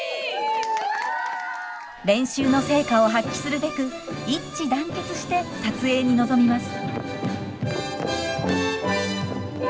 練習の成果を発揮するべく一致団結して撮影に臨みます。